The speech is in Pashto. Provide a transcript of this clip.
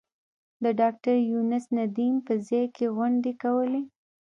د ډاکټر یونس ندیم په ځای کې غونډې کولې.